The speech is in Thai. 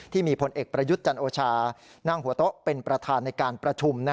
พลเอกประยุทธ์จันโอชานั่งหัวโต๊ะเป็นประธานในการประชุม